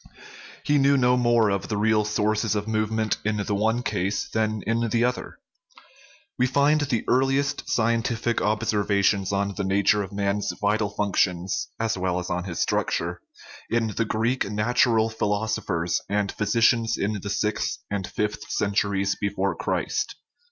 He knew no more of the real sources of movement in the one case than in the other. We find the earliest scientific observations on the nature of man's vital functions (as well as on his struct ure) in the Greek natural philosophers and physicians of the sixth and fifth centuries before Christ.